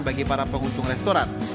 bagi para pengunjung restoran